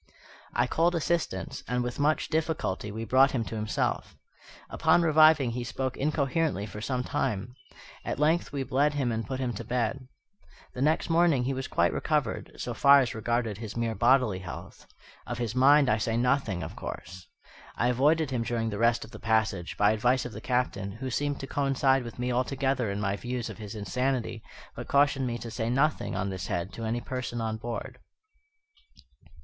I called assistance, and, with much difficulty, we brought him to himself. Upon reviving he spoke incoherently for some time. At length we bled him and put him to bed. The next morning he was quite recovered, so far as regarded his mere bodily health. Of his mind I say nothing, of course. I avoided him during the rest of the passage, by advice of the Captain, who seemed to coincide with me altogether in my views of his insanity, but cautioned me to say nothing on this head to any person on board.